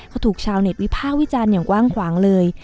ก็ถูกชาวเน็ตวิพากษ์วิจารณ์อย่างกว้างขวางเลย